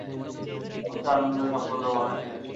এই মূর্তিটি আনন্দ, সম্পদ ও গণেশের শ্রেষ্ঠত্বের প্রতীক।